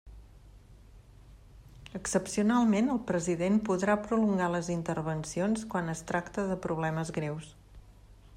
Excepcionalment, el president podrà prolongar les intervencions quan es tracte de problemes greus.